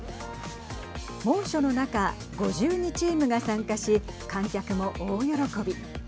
猛暑の中、５２チームが参加し観客も大喜び。